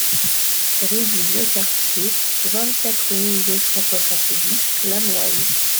Rue du Vieux Quartier, vingt-quatre mille deux cent soixante-dix Lanouaille